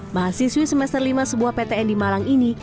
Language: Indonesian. mahasiswi semester lima sebuah ptn di malang ini